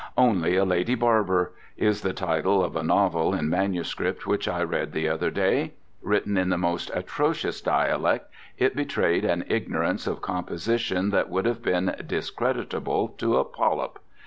"Only a Lady Barber" is the title of a novel in manuscript which I read the other day. Written in the most atrocious dialect, it betrayed an ignorance of composition that would have been discreditable to a polyp.